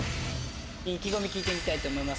意気込み聞いてみたいと思います。